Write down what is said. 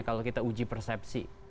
kalau kita uji persepsi